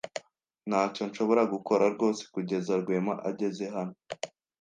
Ntacyo nshobora gukora rwose kugeza Rwema ageze hano.